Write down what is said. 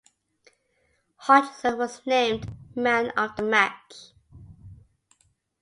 Hodgson was named "Man of the Match".